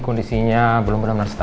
dan dia sudah berhasil menangani bu elsa